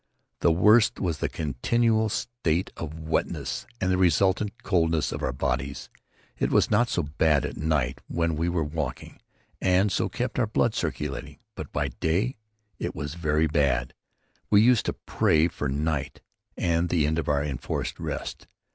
The worst was the continual state of wetness and the resultant coldness of our bodies. It was not so bad at night when we were walking and so kept our blood circulating, but by day it was very bad. We used to pray for night and the end of our enforced rest.